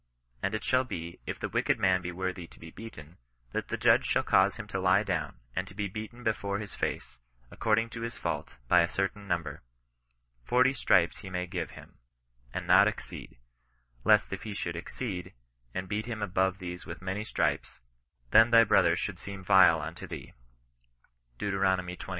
And it shall be, if the wicked man be worthy to be beaten, that the judge shall cause him to lie down, and to be beaten before his face, ac cording to his fftult, by a certain number. Forty stripes he may give him, and not exceed : lest if he should ex ceed, and beat hun above these with many stripes, then thy brother should seem vile unto thee." Deut.